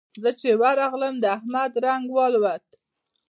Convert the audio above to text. زه چې ورغلم؛ د احمد رنګ والوت.